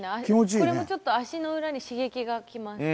これもちょっと足の裏に刺激がきます。